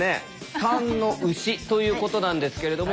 ３の「牛」ということなんですけれども。